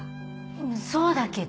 うんそうだけど。